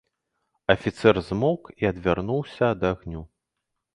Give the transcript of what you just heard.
Афіцэр змоўк і адвярнуўся ад агню.